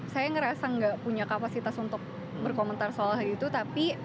saya ngerasa nggak punya kapasitas untuk berkomentar soal hal itu tapi